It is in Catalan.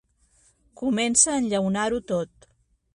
Comença a enllaunar-ho tot.